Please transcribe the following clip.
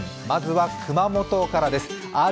まずは熊本からです。